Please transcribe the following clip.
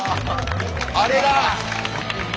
あれだ！